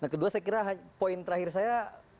kedua saya kira poin terakhir saya